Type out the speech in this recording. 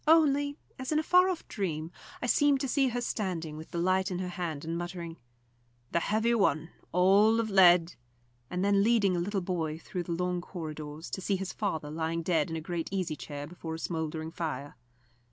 Only, as in a far off dream, I seemed to see her standing with the light in her hand and muttering, "The heavy one all of lead," and then leading a little boy through the long corridors to see his father lying dead in a great easy chair before a smouldering fire.